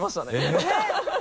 えっ？